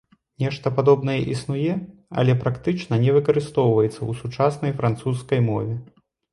Нешта падобнае існуе, але практычна не выкарыстоўваецца ў сучаснай французскай мове.